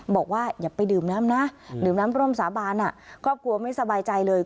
บอกว่าอย่าไปดื่มน้ำนะดื่มน้ำร่มสาบานครอบครัวไม่สบายใจเลย